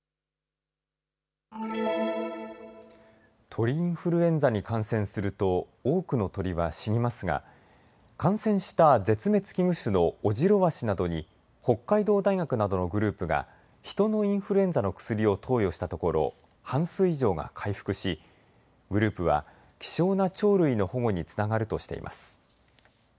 鳥インフルエンザに感染すると多くの鳥は死にますが感染した絶滅危惧種のオジロワシなどに北海道大学などのグループが人のインフルエンザの薬を投与したところ半数以上が回復しグループは希少な鳥類の保護につながるとしています。